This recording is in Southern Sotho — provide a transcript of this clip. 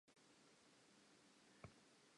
Borotho le lesheleshele di hlaha korong.